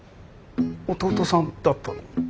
弟さんだったの？